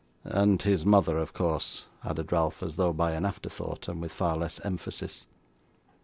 And his mother of course,' added Ralph, as though by an afterthought, and with far less emphasis.